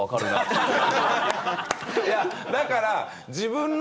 いやだから。